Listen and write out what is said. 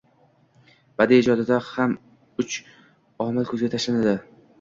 Badiiy ijodda ham uch omil ko’zga tashlanadi